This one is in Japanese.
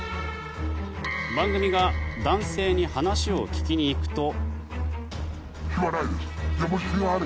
番組が男性に話を聞きに行くと。